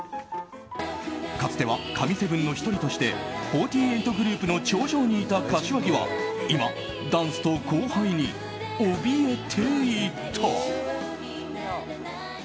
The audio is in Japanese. かつては神７の１人として４８グループの頂上にいた柏木は今、ダンスと後輩におびえていた。